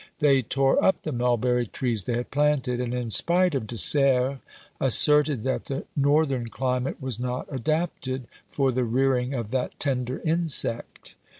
They tore up the mulberry trees they had planted, and, in spite of De Serres, asserted that the northern climate was not adapted for the rearing of that tender insect.